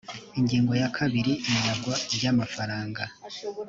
ingingo ya kabiri inyagwa ry amafaranga